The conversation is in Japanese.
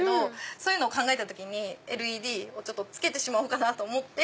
そういうのを考えた時にＬＥＤをつけてしまおうかなと思って。